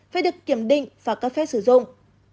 phải được kiểm định và cấp phép sử dụng